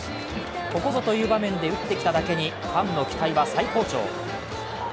ここぞという場面で打ってきただけにファンの期待は最高潮。